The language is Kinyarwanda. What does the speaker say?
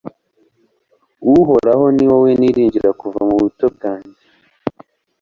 uhoraho, ni wowe niringira kuva mu buto bwanjye